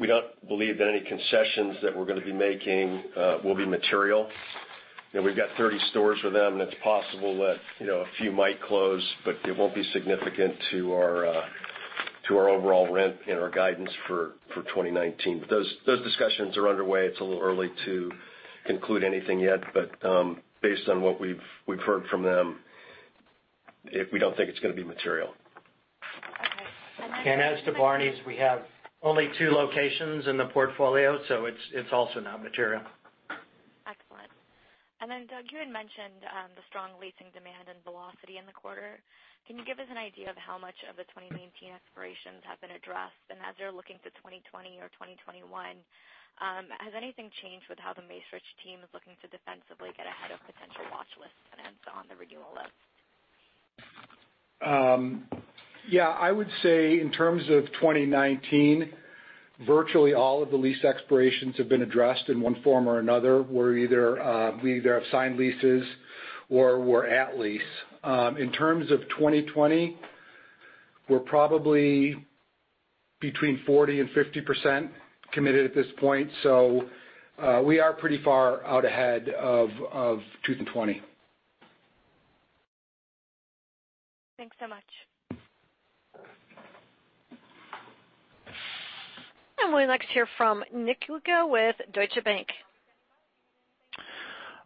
we don't believe that any concessions that we're going to be making will be material. We've got 30 stores with them, and it's possible that a few might close, but it won't be significant to our overall rent and our guidance for 2019. Those discussions are underway. It's a little early to conclude anything yet, but based on what we've heard from them, we don't think it's going to be material. As to Barneys, we have only two locations in the portfolio, so it's also not material. Excellent. Doug, you had mentioned the strong leasing demand and velocity in the quarter. Can you give us an idea of how much of the 2019 expirations have been addressed? As you're looking to 2020 or 2021, has anything changed with how the Macerich team is looking to defensively get ahead of potential watch list tenants on the renewal list? Yeah. I would say in terms of 2019, virtually all of the lease expirations have been addressed in one form or another. We either have signed leases or we're at lease. In terms of 2020, we're probably between 40% and 50% committed at this point. We are pretty far out ahead of 2020. Thanks so much. We next hear from Nick Luca with Deutsche Bank.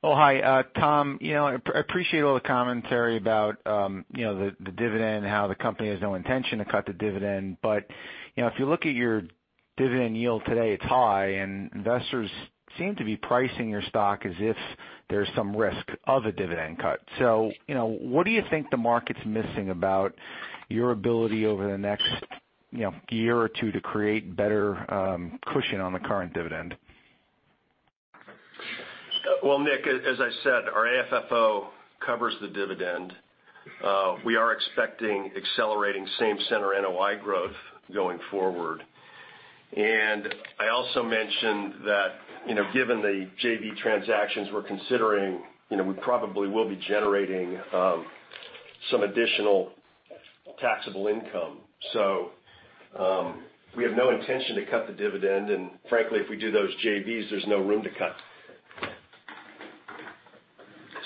Oh, hi. Tom, I appreciate all the commentary about the dividend and how the company has no intention to cut the dividend. If you look at your dividend yield today, it's high, and investors seem to be pricing your stock as if there's some risk of a dividend cut. What do you think the market's missing about your ability over the next year or two to create better cushion on the current dividend? Well, Nick, as I said, our AFFO covers the dividend. We are expecting accelerating same-center NOI growth going forward. I also mentioned that, given the JV transactions we're considering, we probably will be generating some additional taxable income. We have no intention to cut the dividend. Frankly, if we do those JVs, there's no room to cut.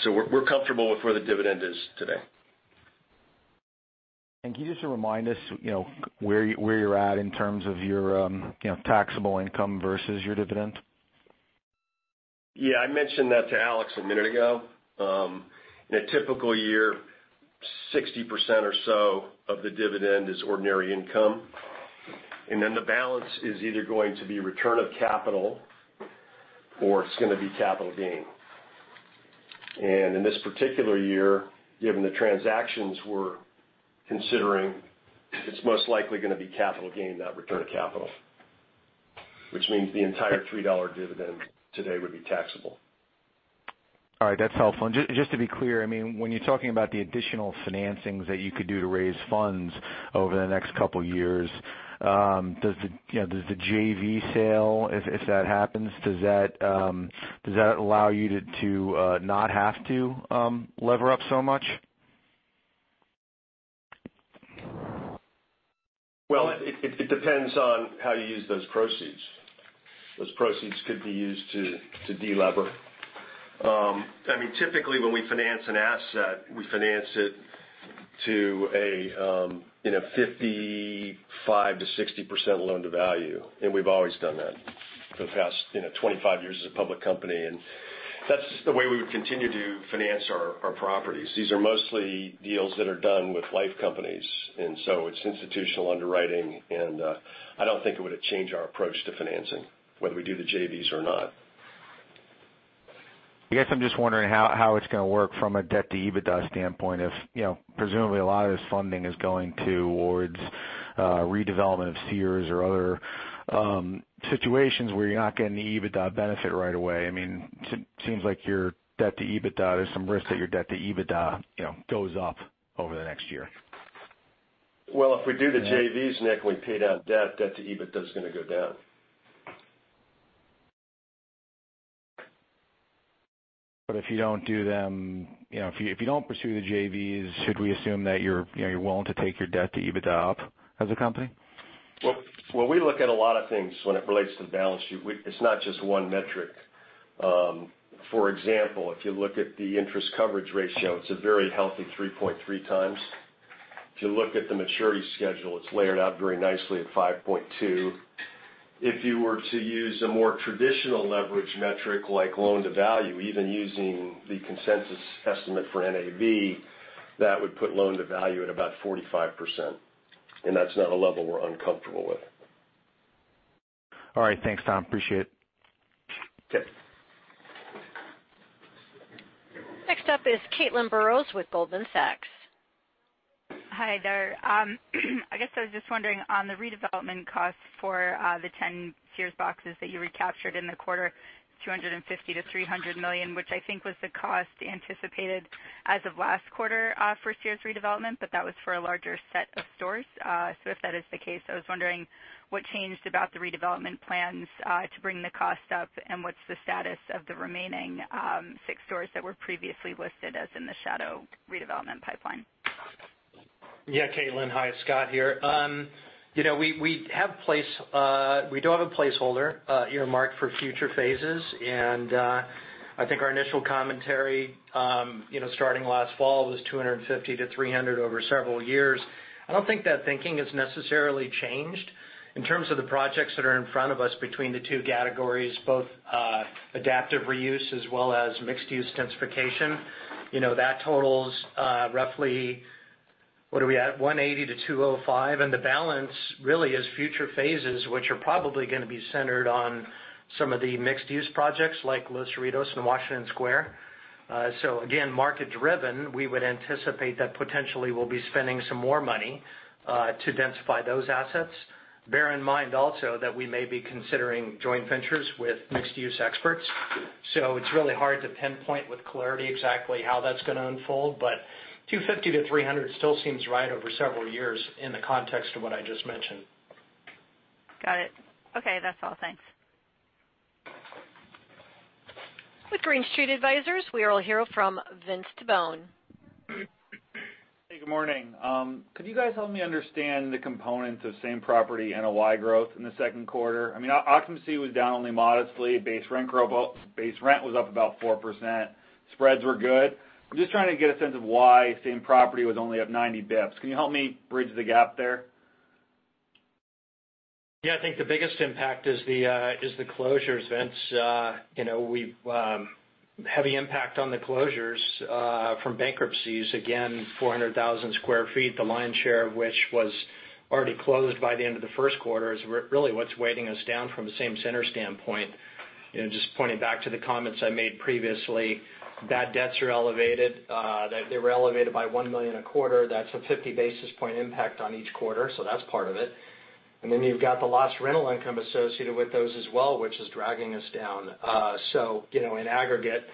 We're comfortable with where the dividend is today. Can you just remind us where you're at in terms of your taxable income versus your dividend? Yeah. I mentioned that to Alex a minute ago. In a typical year, 60% or so of the dividend is ordinary income, and then the balance is either going to be return of capital or it's going to be capital gain. In this particular year, given the transactions we're considering, it's most likely going to be capital gain, not return of capital, which means the entire $3 dividend today would be taxable. All right. That's helpful. Just to be clear, when you're talking about the additional financings that you could do to raise funds over the next couple of years, does the JV sale, if that happens, does that allow you to not have to lever up so much? Well, it depends on how you use those proceeds. Those proceeds could be used to de-lever. Typically, when we finance an asset, we finance it to a 55%-60% loan-to-value, and we've always done that for the past 25 years as a public company. That's the way we would continue to finance our properties. These are mostly deals that are done with life companies, it's institutional underwriting, I don't think it would change our approach to financing whether we do the JVs or not. I guess I'm just wondering how it's going to work from a debt-to-EBITDA standpoint if, presumably, a lot of this funding is going towards redevelopment of Sears or other situations where you're not getting the EBITDA benefit right away. It seems like there's some risk that your debt-to-EBITDA goes up over the next year. If we do the JVs, Nick, we pay down debt, debt-to-EBITDA is going to go down. If you don't pursue the JVs, should we assume that you're willing to take your debt-to-EBITDA up as a company? Well, we look at a lot of things when it relates to the balance sheet. It's not just one metric. For example, if you look at the interest coverage ratio, it's a very healthy 3.3x. If you look at the maturity schedule, it's layered out very nicely at 5.2. If you were to use a more traditional leverage metric like loan-to-value, even using the consensus estimate for NAV, that would put loan-to-value at about 45%, and that's not a level we're uncomfortable with. All right. Thanks, Tom. Appreciate it. Okay. Next up is Caitlin Burrows with Goldman Sachs. Hi there. I guess I was just wondering on the redevelopment costs for the 10 Sears boxes that you recaptured in the quarter, $250 million-$300 million, which I think was the cost anticipated as of last quarter for Sears redevelopment, but that was for a larger set of stores. If that is the case, I was wondering what changed about the redevelopment plans to bring the cost up, and what's the status of the remaining six stores that were previously listed as in the shadow redevelopment pipeline? Yeah, Caitlin. Hi, it's Scott here. We do have a placeholder earmarked for future phases, and I think our initial commentary, starting last fall, was $250 million-$300 million over several years. I don't think that thinking has necessarily changed. In terms of the projects that are in front of us between the two categories, both adaptive reuse as well as mixed-use intensification, that totals roughly, what are we at? $180 million-$205 million, and the balance really is future phases, which are probably going to be centered on some of the mixed-use projects, like Los Cerritos and Washington Square. Again, market driven, we would anticipate that potentially we'll be spending some more money to densify those assets. Bear in mind also that we may be considering joint ventures with mixed-use experts. It's really hard to pinpoint with clarity exactly how that's going to unfold, but $250 million-$300 million still seems right over several years in the context of what I just mentioned. Got it. Okay, that's all. Thanks. With Green Street Advisors, we will hear from Vince Tibone. Hey, good morning. Could you guys help me understand the components of same-property NOI growth in the second quarter? I mean, occupancy was down only modestly. Base rent was up about 4%. Spreads were good. I'm just trying to get a sense of why same property was only up 90 basis points. Can you help me bridge the gap there? I think the biggest impact is the closures, Vince. Heavy impact on the closures from bankruptcies. 400,000 sq ft, the lion's share of which was already closed by the end of the first quarter, is really what's weighting us down from a same center standpoint. Pointing back to the comments I made previously, bad debts are elevated. They were elevated by $1 million a quarter. That's a 50-basis-point impact on each quarter, that's part of it. You've got the lost rental income associated with those as well, which is dragging us down. In aggregate,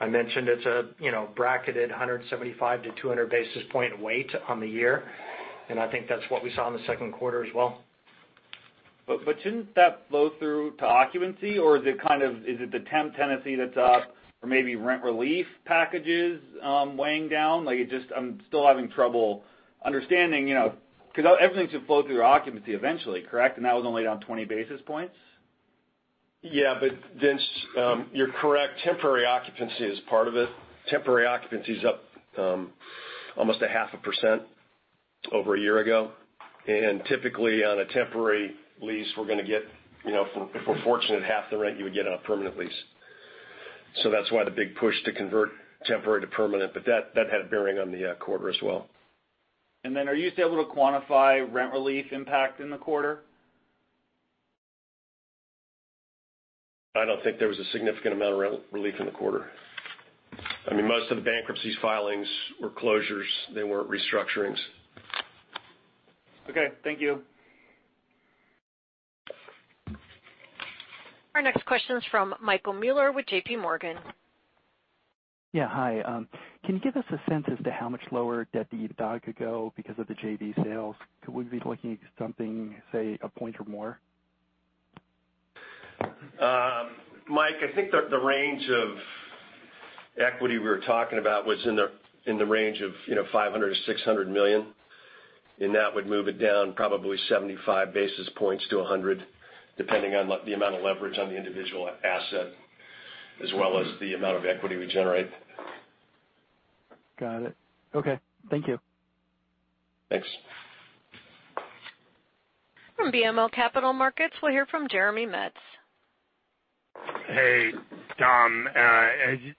I mentioned it's a bracketed 175-200 basis point weight on the year, and I think that's what we saw in the second quarter as well. Shouldn't that flow through to occupancy? Is it the temp tenancy that's up or maybe rent relief packages weighing down? I'm still having trouble understanding, because everything should flow through to occupancy eventually, correct? That was only down 20 basis points. Vince, you're correct. Temporary occupancy is part of it. Temporary occupancy is up almost a half a percent over a year ago. Typically, on a temporary lease, we're going to get, if we're fortunate, half the rent you would get on a permanent lease. That's why the big push to convert temporary to permanent. That had a bearing on the quarter as well. Are you able to quantify rent relief impact in the quarter? I don't think there was a significant amount of rent relief in the quarter. I mean, most of the bankruptcies filings were closures. They weren't restructurings. Okay. Thank you. Our next question is from Michael Mueller with JPMorgan. Yeah. Hi. Can you give us a sense as to how much lower debt-to-EBITDA could go because of the JV sales? Would we be looking at something, say, a point or more? Mike, I think the range of equity we were talking about was in the range of $500 million-$600 million, and that would move it down probably 75 basis points-100 basis points, depending on the amount of leverage on the individual asset, as well as the amount of equity we generate. Got it. Okay. Thank you. Thanks. From BMO Capital Markets, we'll hear from Jeremy Metz. Hey, Tom. As you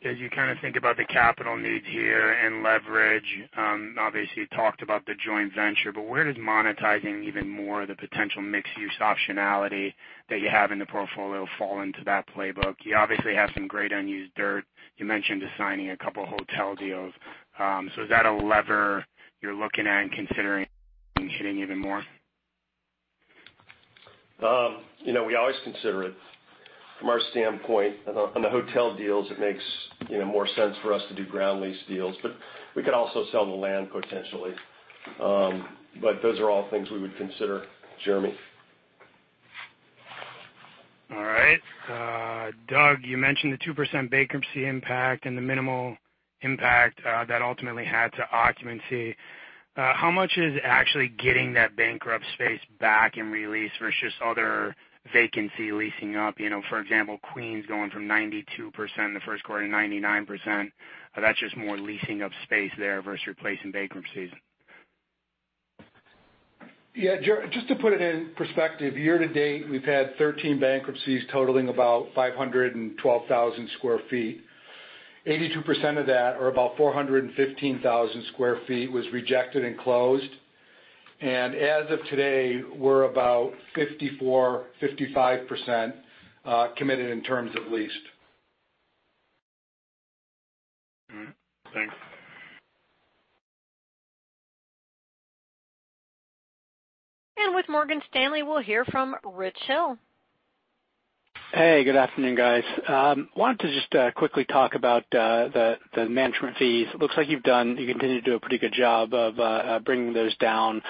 think about the capital needs here and leverage, obviously you talked about the joint venture, where does monetizing even more of the potential mixed-use optionality that you have in the portfolio fall into that playbook? You obviously have some great unused dirt. You mentioned assigning a couple hotel deals. Is that a lever you're looking at and considering hitting even more? We always consider it. From our standpoint on the hotel deals, it makes more sense for us to do ground lease deals, we could also sell the land potentially. Those are all things we would consider, Jeremy. All right. Doug, you mentioned the 2% bankruptcy impact and the minimal impact that ultimately had to occupancy. How much is actually getting that bankrupt space back and re-leased versus other vacancy leasing up? For example, Queens going from 92% in the first quarter to 99%. That's just more leasing of space there versus replacing bankruptcies. Yeah, Jer. Just to put it in perspective, year-to-date, we've had 13 bankruptcies totaling about 512,000 sq ft. 82% of that, or about 415,000 sq ft, was rejected and closed. As of today, we're about 54%, 55% committed in terms of leased. All right. Thanks. With Morgan Stanley, we'll hear from Rich Hill. Hey, good afternoon, guys. Wanted to just quickly talk about the management fees. It looks like you continue to do a pretty good job of bringing those down.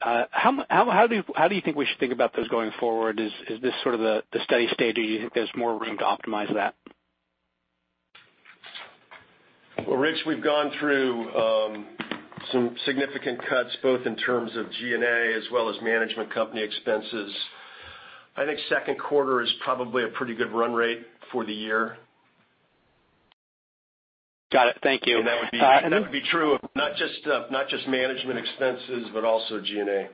How do you think we should think about those going forward? Is this sort of the stay steady, or you think there's more room to optimize that? Well, Rich, we've gone through some significant cuts, both in terms of G&A as well as management company expenses. I think second quarter is probably a pretty good run rate for the year. Got it. Thank you. That would be true of not just management expenses, but also G&A.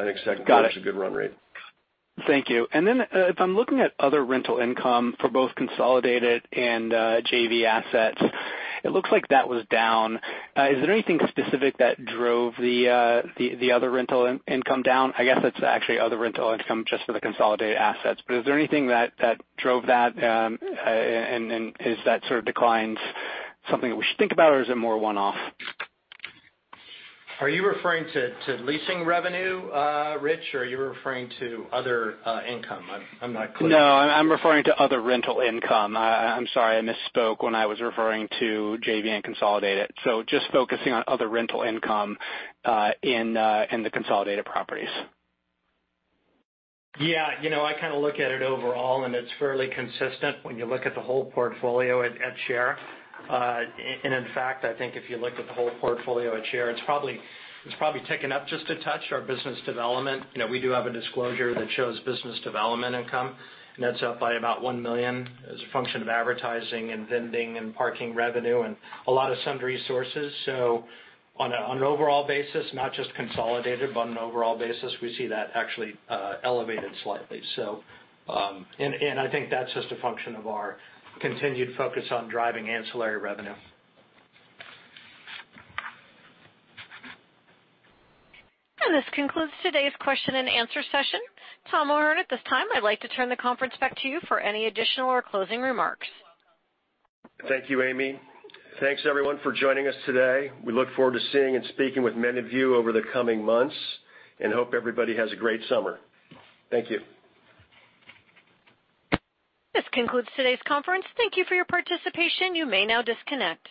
I think second quarter. Got it. Is a good run rate. Thank you. If I'm looking at other rental income for both consolidated and JV assets, it looks like that was down. Is there anything specific that drove the other rental income down? I guess that's actually other rental income just for the consolidated assets. Is there anything that drove that, and is that sort of declines something that we should think about, or is it more one-off? Are you referring to leasing revenue, Rich, or are you referring to other income? I'm not clear. I'm referring to other rental income. I'm sorry, I misspoke when I was referring to JV and consolidated. Just focusing on other rental income in the consolidated properties. Yeah. I kind of look at it overall, and it's fairly consistent when you look at the whole portfolio at share. In fact, I think if you look at the whole portfolio at share, it's probably ticking up just a touch. Our business development, we do have a disclosure that shows business development income, and that's up by about $1 million as a function of advertising and vending and parking revenue and a lot of sundry sources. On an overall basis, not just consolidated, but on an overall basis, we see that actually elevated slightly. I think that's just a function of our continued focus on driving ancillary revenue. This concludes today's question and answer session. Tom O'Hern, at this time, I'd like to turn the conference back to you for any additional or closing remarks. Thank you, Amy. Thanks, everyone for joining us today. We look forward to seeing and speaking with many of you over the coming months and hope everybody has a great summer. Thank you. This concludes today's conference. Thank you for your participation. You may now disconnect.